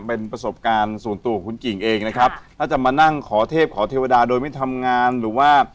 เป็นประสบการณ์ส่วนตัวของคุณกิ่งเองนะครับถ้าจะมานั่งขอเทพขอเทวดาโดยไม่ทำงานหรือว่า